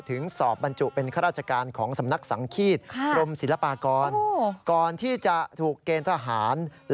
ถึงศอบบรรจุเป็นครราชการ